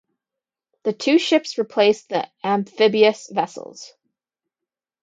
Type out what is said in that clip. The two ships replaced the amphibious vessels.